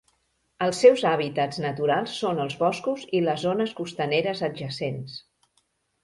Els seus hàbitats naturals són els boscos i les zones costaneres adjacents.